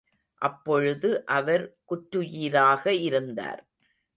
அப்பொழுது அவர் குற்றுயிராக இருந்தார்.